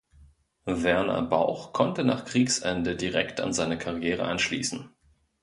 Werner Bauch konnte nach Kriegsende direkt an seine Karriere anschließen.